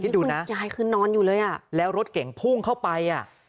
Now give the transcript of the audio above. ดูนะยายคือนอนอยู่เลยอ่ะแล้วรถเก่งพุ่งเข้าไปอ่ะ